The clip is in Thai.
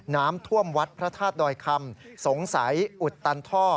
น้ำท่วมวัดพระธาตุดอยคำสงสัยอุดตันท่อ